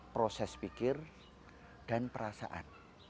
proses pikir dan perasaan